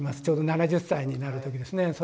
ちょうど７０歳になる時ですね。